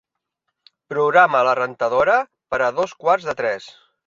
Programa la rentadora per a dos quarts de tres.